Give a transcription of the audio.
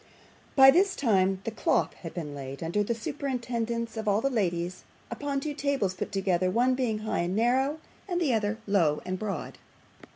By this time the cloth had been laid under the joint superintendence of all the ladies, upon two tables put together, one being high and narrow, and the other low and broad.